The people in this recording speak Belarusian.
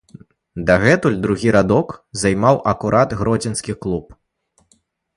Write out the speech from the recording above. Дагэтуль другі радок займаў акурат гродзенскі клуб.